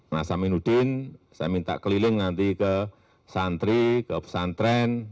nasaminuddin saya minta keliling nanti ke santri ke pesantren